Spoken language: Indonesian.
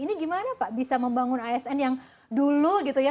ini gimana pak bisa membangun asn yang dulu gitu ya